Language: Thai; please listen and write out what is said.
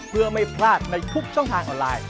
เพื่อไม่พลาดในทุกช่องทางออนไลน์